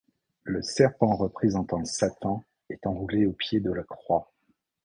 Le serpent représentant Satan est enroulé au pied de la croix.